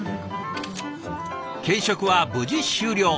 検食は無事終了。